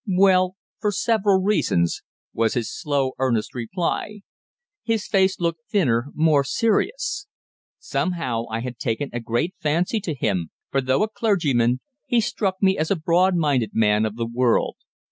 "Well, for several reasons," was his slow, earnest reply. His face looked thinner, more serious. Somehow I had taken a great fancy to him, for though a clergyman, he struck me as a broad minded man of the world.